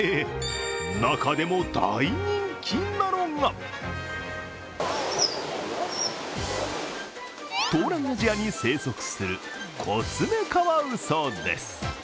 中でも大人気なのが東南アジアに生息するコツメカワウソです。